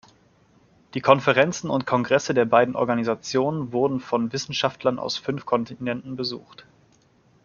Die Konferenzen und Kongresse der beiden Organisationen wurden von Wissenschaftlern aus fünf Kontinenten besucht.